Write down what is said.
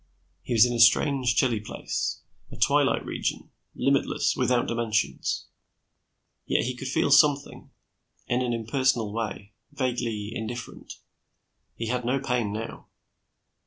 He was in a strange, chilly place a twilight region, limitless, without dimensions. Yet he could feel something, in an impersonal way, vaguely indifferent. He had no pain now.